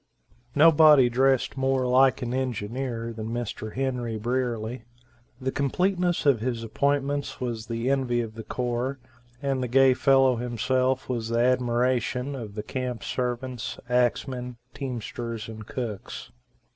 Nobody dressed more like an engineer than Mr. Henry Brierly. The completeness of his appointments was the envy of the corps, and the gay fellow himself was the admiration of the camp servants, axemen, teamsters and cooks.